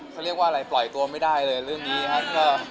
ช่วยเลี่ยงว่าอะไรบรรยายทรัพย์ไม่ได้เลยเรื่องนี้ครับ